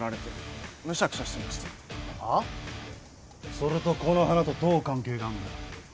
それとこの花とどう関係があんだよ？